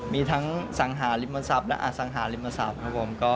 มีทั้งสังหาริมทรัพย์และอสังหาริมทรัพย์ครับผม